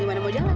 gimana mau jalan